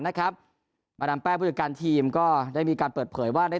นะครับมาดามแป้งผู้จัดการทีมก็ได้มีการเปิดเผยว่าได้